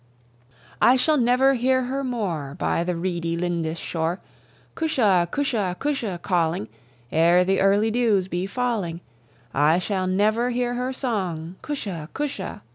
I shall never hear her more By the reedy Lindis shore, "Cusha! Cusha! Cusha!" calling, Ere the early dews be falling; I shall never hear her song, "Cusha! Cusha!"